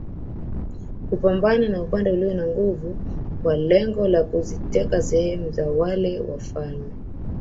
Kupambana na upande ulio na nguvu kwa lengo la kuziteka sehemu za wale wafalme